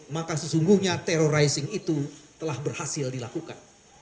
maka sesungguhnya terrorizing itu telah berhasil dilakukan